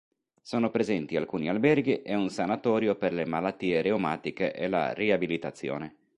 Sono presenti alcuni alberghi e un sanatorio per le malattie reumatiche e la riabilitazione.